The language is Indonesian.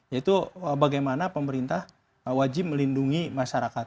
yaitu bagaimana pemerintah wajib melindungi masyarakat